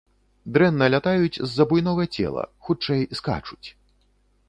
Дрэнна лятаюць з-за буйнога цела, хутчэй, скачуць.